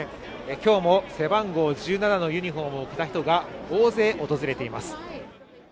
今日も背番号１７のユニフォームフを着た人が大勢訪れています。